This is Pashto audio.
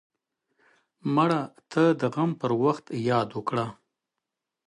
مړه ته د غم پر وخت یاد وکړه